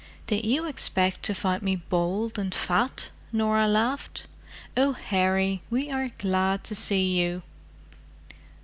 "Did you expect to find me bald and fat?" Norah laughed. "Oh, Harry, we are glad to see you!"